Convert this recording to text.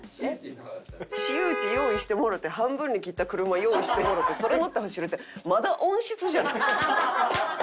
私有地用意してもろて半分に切った車用意してもろてそれ乗って走るって。